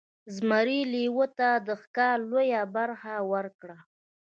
زمري لیوه ته د ښکار لویه برخه ورکړه.